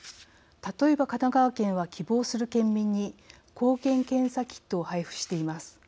例えば、神奈川県は希望する県民に抗原検査キットを配布しています。